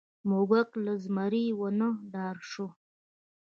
موږک له زمري ونه ډار شو.